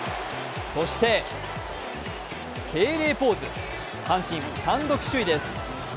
そして敬礼ポーズ阪神、単独首位です。